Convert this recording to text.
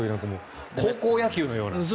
高校野球のような。